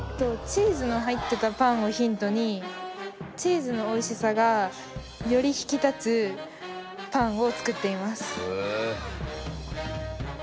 チーズの入ってたパンをヒントにチーズのおいしさがより引き立つパンを作っています。